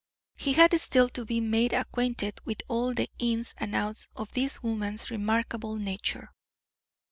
He had still to be made acquainted with all the ins and outs of this woman's remarkable nature.